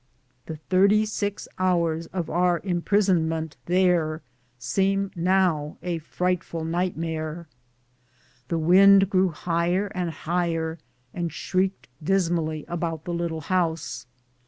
The thirty six hours of our impris onment there seems now a frightful nightmare. The wind grew higher and higher, and shrieked about the little house dismally.